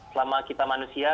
selama kita manusia